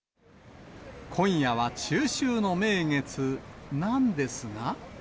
今夜は中秋の名月なんですが。